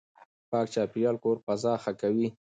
پاک چاپېريال کور فضا ښه کوي.